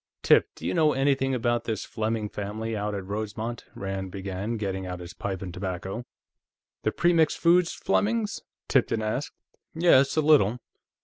"Tip, do you know anything about this Fleming family, out at Rosemont?" Rand began, getting out his pipe and tobacco. "The Premix Foods Flemings?" Tipton asked. "Yes, a little.